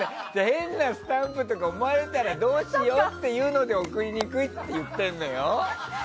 変なスタンプとか思われたらどうしようっていうので送りにくいって言ってるのよ！